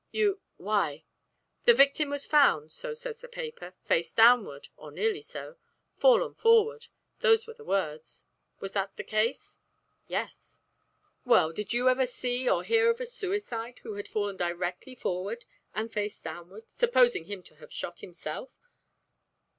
"You why?" "'The victim was found,' so says the paper, 'face downward, or nearly so.' 'Fallen forward,' those were the words. Was that the case?" "Yes." "Well, did you ever see or hear of a suicide who had fallen directly forward and face downward, supposing him to have shot himself?"